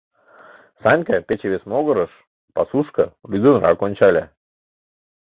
Санька пече вес могырыш, пасушко лӱдынрак ончале.